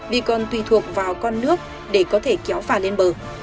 vì còn tùy thuộc vào con nước để có thể kéo phà lên bờ